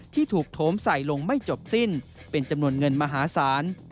ที่ถูกโถมใส่ลงไม่จบสิ้นเป็นจำนวนเงินมหาศาล